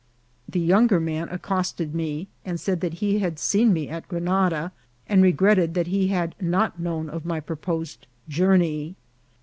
The younger man accosted me, and said that he had seen me at Grenada, and regretted that he had not known of my proposed journey.